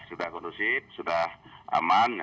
sudah kondusif sudah aman